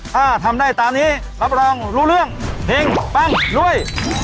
ถ้าทำได้ตามนี้รับรองรู้เรื่องเพลงปังรวย